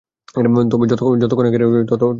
তবে যতক্ষণ এখানে রয়েছি, ততক্ষণ তা হবে না।